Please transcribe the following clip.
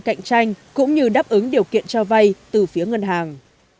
cạnh tranh cũng như đáp ứng điều kiện cho vay từ phía ngân hàng